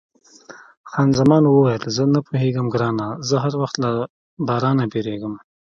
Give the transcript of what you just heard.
خان زمان وویل، نه پوهېږم ګرانه، زه هر وخت له بارانه بیریږم.